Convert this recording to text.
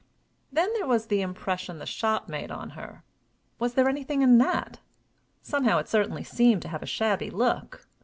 Then there was the impression the shop made on her! Was there anything in that? Somehow it certainly seemed to have a shabby look!